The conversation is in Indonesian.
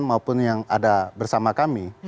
maupun yang ada bersama kami